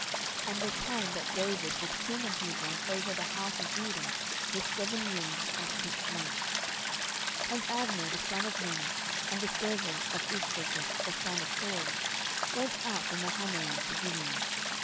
10:002:011 And the time that David was king in Hebron over the house of Judah was seven years and six months. 10:002:012 And Abner the son of Ner, and the servants of Ishbosheth the son of Saul, went out from Mahanaim to Gibeon.